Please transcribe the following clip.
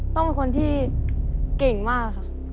ต้องเป็นคนที่เก่งมากค่ะ